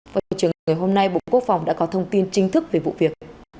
với trường hợp ngày hôm nay bộ quốc phòng đã có thông tin chính thức về vụ việc